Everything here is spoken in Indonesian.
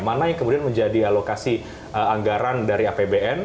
mana yang kemudian menjadi alokasi anggaran dari apbn